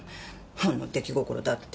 ほんの出来心だって。